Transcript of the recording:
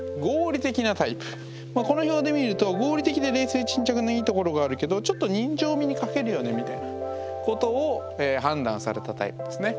この表で見ると合理的で冷静沈着ないいところがあるけどちょっと人情味に欠けるよねみたいなことを判断されたタイプですね。